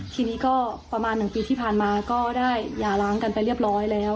ทีนี้ก็ประมาณ๑ปีที่ผ่านมาก็ได้อย่าล้างกันไปเรียบร้อยแล้ว